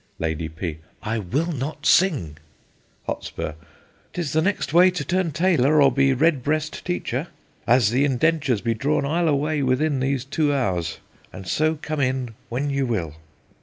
Lady P. I will not sing. Hot. 'Tis the next way to turn tailor, or be redbreast teacher. An the indentures be drawn, I'll away within these two hours; and so come in when ye will.